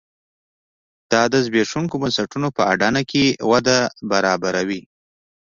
دا د زبېښونکو بنسټونو په اډانه کې وده برابروي.